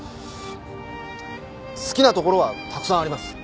好きなところはたくさんあります。